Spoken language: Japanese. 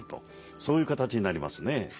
そういう形になりますね。